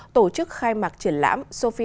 tổ chức khai mạc triển lãm